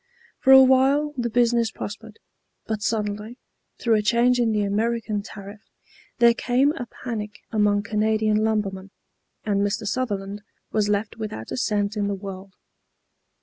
For a while the business prospered, but suddenly, through a change in the American tariff, there came a panic among Canadian lumbermen, and Mr. Sutherland was left without a cent in the world.